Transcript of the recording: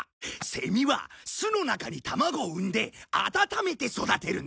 セミは巣の中に卵を産んで温めて育てるんだ。